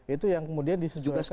itu yang kemudian disesuaikan